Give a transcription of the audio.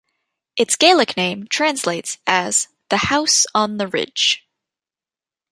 Its Gaelic name translates as "the house on the ridge".